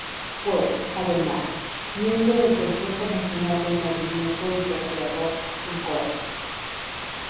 Fue, además, miembro del Consejo nacional del Movimiento y procurador en Cortes.